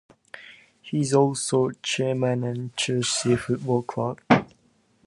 He is also Chairman of Chelsea Football Club.